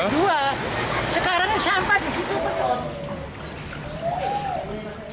dua sekarang sampah di situ belum